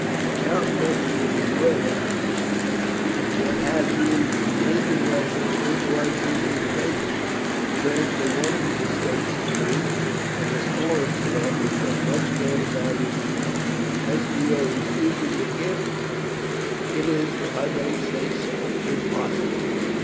The count mentioned in his letter that had you remained in Russia it was his intention to transfer one of his estates to you, and the smallest of them is of much greater value than this. As to your refusing the gift, it is, if I may say so, impossible.